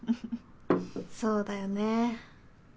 そうだよね。